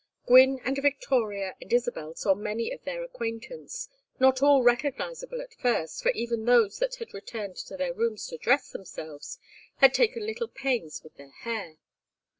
Gwynne and Victoria and Isabel saw many of their acquaintance, not all recognizable at first, for even those that had returned to their rooms to dress themselves had taken little pains with their hair.